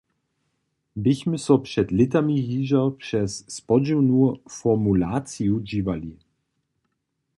Běchmy so před lětami hižo přez spodźiwnu formulaciju dźiwali.